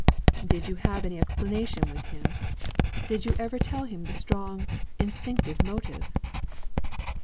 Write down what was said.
"Did you have any explanation with him? Did you ever tell him the strong, instinctive motive?"